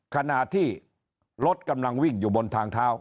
ขณะที่รถกำลังวิ่งอยู่บนทางเท้า